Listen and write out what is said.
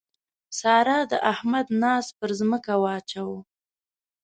سارا د احمد ناز پر ځمکه واچاوو.